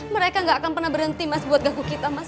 mereka gak akan pernah berhenti mas buat ganggu kita mas